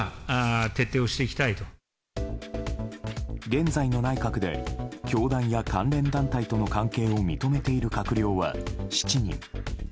現在の内閣で教団や関連団体との関係を認めている閣僚は７人。